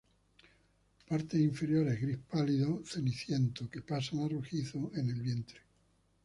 Partes inferiores gris pálido ceniciento, que pasan a rojizo en el vientre.